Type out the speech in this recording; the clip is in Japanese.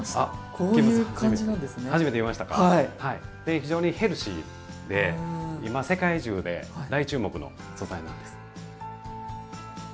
非常にヘルシーで今世界中で大注目の素材なんです。